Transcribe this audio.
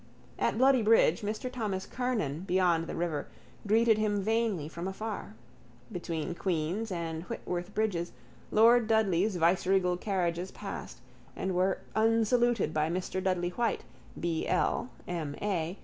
At Bloody bridge Mr Thomas Kernan beyond the river greeted him vainly from afar. Between Queen's and Whitworth bridges lord Dudley's viceregal carriages passed and were unsaluted by Mr Dudley White, B. L., M. A.